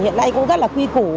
hiện nay cũng rất là quy củ